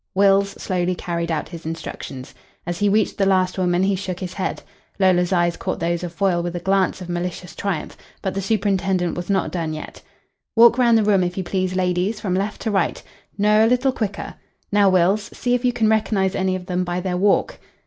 Wills slowly carried out his instructions. As he reached the last woman he shook his head. Lola's eyes caught those of Foyle with a glance of malicious triumph. But the superintendent was not done yet. "Walk round the room, if you please, ladies from left to right. No, a little quicker. Now, Wills, see if you can recognise any of them by their walk."